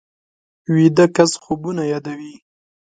ویده کس خوبونه یادوي